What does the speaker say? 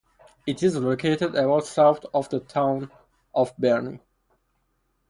It is located about south of the town of Burnie.